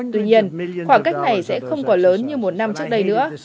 tuy nhiên khoảng cách này sẽ không quá lớn như một năm trước đây nữa